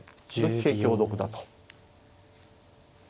桂香得だと。